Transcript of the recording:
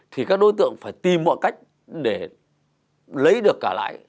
thì các đối tượng phải tìm mọi cách để lấy được cả lại